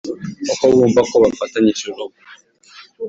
uko bumva ko bafatanyije urugo